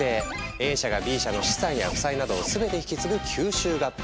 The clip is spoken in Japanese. Ａ社がＢ社の資産や負債などを全て引き継ぐ「吸収合併」。